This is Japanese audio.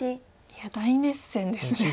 いや大熱戦ですね。